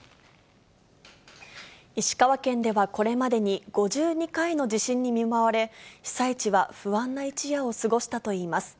石川県ではこれまでに、５２回の地震に見舞われ、被災地は不安な一夜を過ごしたといいます。